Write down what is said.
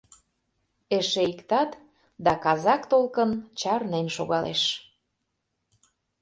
Эше ик тат - да казак толкын чарнен шогалеш...